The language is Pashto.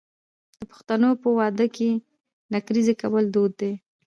د پښتنو په واده کې نکریزې کول دود دی.